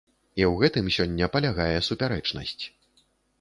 І ў гэтым сёння палягае супярэчнасць.